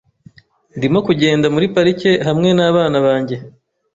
Ndimo kugenda muri parike hamwe nabana banjye .